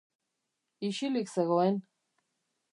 Ixilik zegoen.